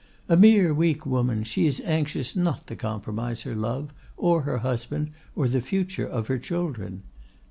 A mere weak women, she is anxious not to compromise her love, or her husband, or the future of her children.